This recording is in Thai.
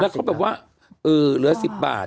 แล้วเค้าแบบว่าเออเหลือ๑๐บาท